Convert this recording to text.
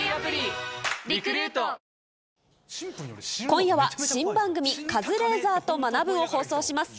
今夜は新番組、カズレーザーと学ぶ。を放送します。